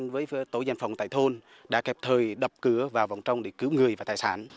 với tổ dân phòng tại thôn đã kịp thời đập cửa vào vòng trong để cứu người và tài sản